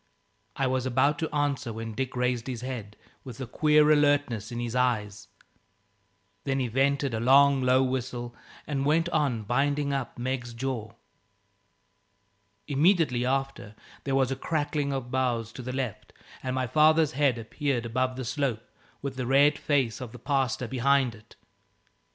I was about to answer when Dick raised his head, with a queer alertness in his eyes. Then he vented a long, low whistle, and went on binding up Meg's jaw. Immediately after, there was a crackling of boughs to the left and my father's head appeared above the slope, with the red face of the pastor behind it.